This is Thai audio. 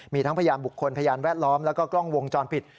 มีทั้งพยานบุคคลพยานแวดล้อมแล้วก็กล้องวงจรปิด